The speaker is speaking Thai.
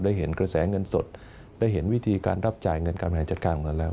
เห็นกระแสเงินสดได้เห็นวิธีการรับจ่ายเงินการบริหารจัดการมาแล้ว